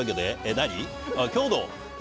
何？